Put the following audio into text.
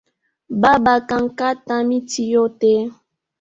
Baba kankata miti yote